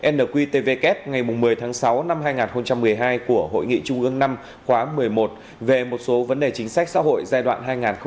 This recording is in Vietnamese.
nqtvk ngày một mươi tháng sáu năm hai nghìn một mươi hai của hội nghị trung ương năm khóa một mươi một về một số vấn đề chính sách xã hội giai đoạn hai nghìn một mươi sáu hai nghìn hai mươi